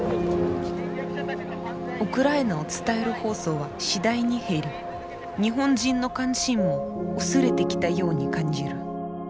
ウクライナを伝える放送は次第に減り日本人の関心も薄れてきたように感じる。